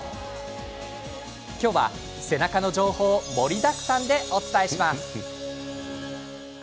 今日は背中の情報盛りだくさんでお伝えします。